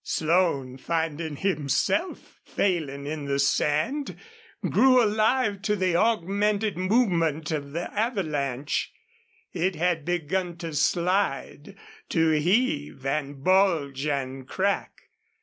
Slone, finding himself failing on the sand, grew alive to the augmented movement of the avalanche. It had begun to slide, to heave and bulge and crack.